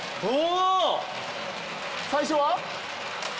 最初は？